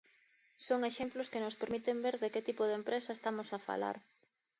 Son exemplos que nos permiten ver de que tipo de empresa estamos a falar.